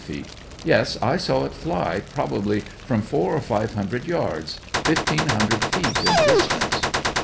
As many as 600 feet ; yes I saw it fly, probably, from four or five hundred yards — fifteen hundred feet in distance.